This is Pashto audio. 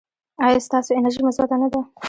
ایا ستاسو انرژي مثبت نه ده؟